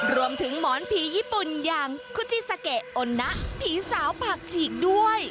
หมอนผีญี่ปุ่นอย่างคุจิซาเกะโอนนะผีสาวผักฉีกด้วย